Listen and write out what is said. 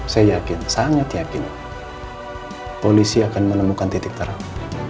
saya yakin sangat yakin polisi akan menemukan titik terang